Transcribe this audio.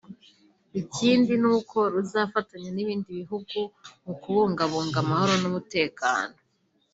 Ikindi nuko ruzafatanya n’ibindi bihugu mu kubungabunga amahoro n’umutekano